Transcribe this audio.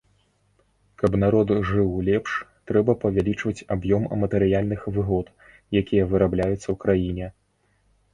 Каб народ жыў лепш, трэба павялічваць аб'ём матэрыяльных выгод, якія вырабляюцца ў краіне.